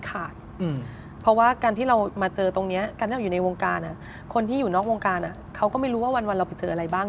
เขาได้รับความรักอย่างเป็นที่จริง